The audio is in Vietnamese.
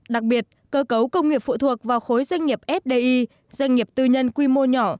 đặc biệt cơ cấu công nghiệp phụ thuộc vào khối doanh nghiệp fdi doanh nghiệp tư nhân quy mô nhỏ